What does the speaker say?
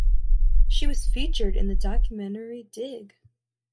She was featured in the documentary Dig!